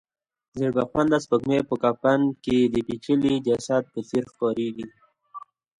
زېړبخونده سپوږمۍ په کفن کې د پېچلي جسد په څېر ښکاریږي.